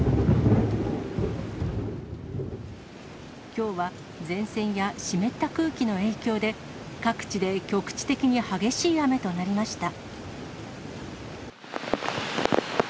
きょうは前線や湿った空気の影響で、各地で局地的に激しい雨となりました。